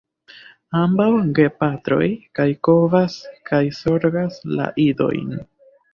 Ambaŭ gepatroj kaj kovas kaj zorgas la idojn.